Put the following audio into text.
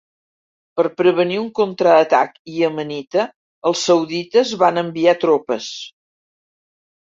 Per prevenir un contraatac iemenita els saudites van enviar tropes.